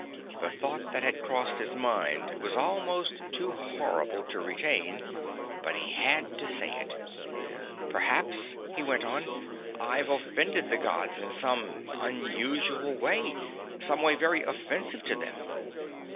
The thought that had crossed his mind was almost too horrible to retain, but he had to say it. "Perhaps," he went on, "I've offended the Gods in some unusual way some way very offensive to them."